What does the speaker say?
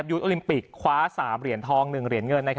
โอลิมปิกคว้า๓เหรียญทอง๑เหรียญเงิน